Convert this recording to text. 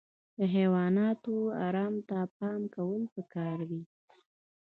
د حیواناتو ارام ته پام کول پکار دي.